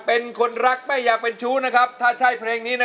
เป็นคนเดียวเลยนะครับที่ตั้งใจกดแนะ